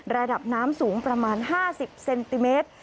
ระดับน้ำสูงประมาณ๕๐เซนติเมตร